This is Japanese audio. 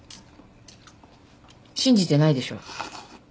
信じてないでしょ？